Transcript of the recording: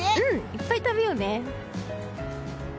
いっぱい食べようね。